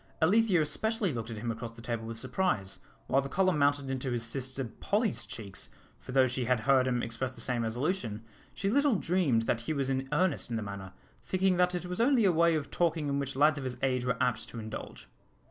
Alethea especially looked at him across the table with surprise, while the colour mounted into his sister Polly's cheeks, for though she had heard him express the same resolution, she little dreamed that he was in earnest in the matter, thinking that it was only a way of talking in which lads of his age were apt to indulge.